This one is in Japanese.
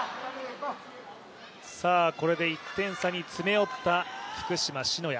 これで１点差に詰め寄った福島・篠谷。